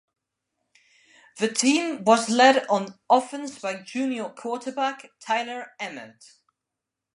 The team was led on offense by junior quarterback Tyler Emmert.